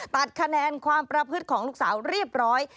ตัดคะแนนความประพฤติของลูกสาวเรียบร้อย